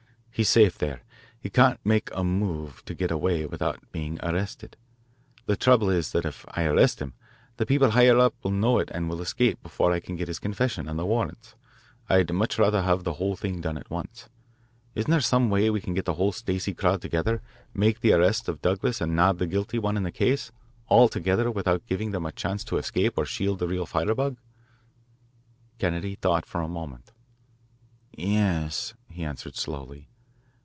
He's safe there; he can't make a move to get away without being arrested. The trouble is that if I arrest him, the people higher up will know it and will escape before I can get his confession and the warrants. I'd much rather have the whole thing done at once. Isn't there some way we can get the whole Stacey crowd together, make the arrest of Douglas and nab the guilty ones in the case, all together without giving them a chance to escape or to shield the real firebug?" Kennedy thought a moment. "Yes," he answered slowly.